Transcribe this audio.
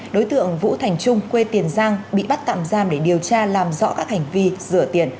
đối tượng vũ thành trung quê tiền giang bị bắt tạm giam để điều tra làm rõ các hành vi rửa tiền